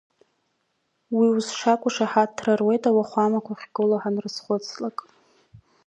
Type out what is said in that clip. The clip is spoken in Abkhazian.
Уи ус шакәу шаҳаҭра руеит ауахәамақәа ахьгылоу ҳанрызхәыцлак…